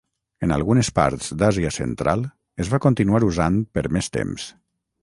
En algunes parts d'Àsia Central, es va continuar usant per més temps.